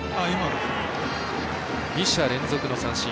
２者連続の三振。